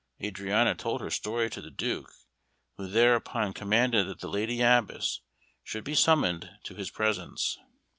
Adriana told her story to the Duke, who thereupon commanded that the Lady Abbess should be summoned to his presence.